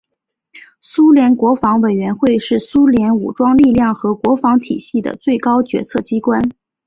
苏联国防委员会是苏联武装力量和国防体系的最高决策机关。